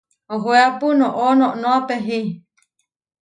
Ohoéapu noʼó noʼnóa pehi.